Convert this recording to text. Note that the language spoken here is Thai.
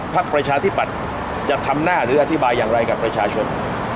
ประชาธิปัตย์จะทำหน้าหรืออธิบายอย่างไรกับประชาชน